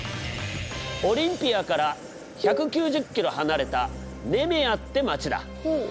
オリンピアから１９０キロ離れたネメアって町だ。